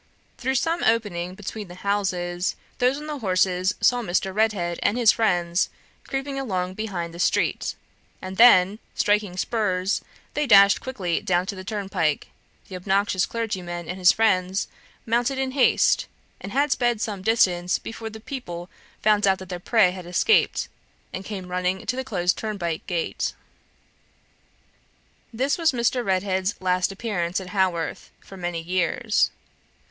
Through some opening between the houses, those on the horses saw Mr. Redhead and his friends creeping along behind the street; and then, striking spurs, they dashed quickly down to the turnpike; the obnoxious clergyman and his friends mounted in haste, and had sped some distance before the people found out that their prey had escaped, and came running to the closed turnpike gate. This was Mr. Redhead's last appearance at Haworth for many years.